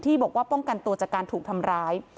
บอกว่าป้องกันตัวจากการถูกทำร้าย